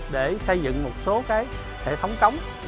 để xây dựng một số cái hệ thống cống